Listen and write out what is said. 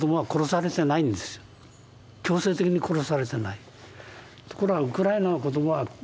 強制的に殺されてない。